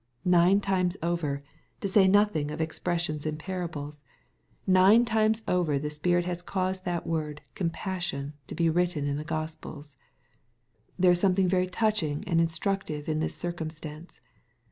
Nine times over — to say nothing of expressioitf MATTHEW, CHAP. XVI. 187 in parables — ^nine times over the Spirit has caused that word " compassion" to be written in the Gospels. There is something very touching and instructive in this circumstance.